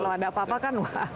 kalau ada apa apa kan